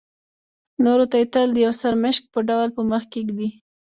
نورو ته یې تل د یو سرمشق په ډول په مخکې ږدي.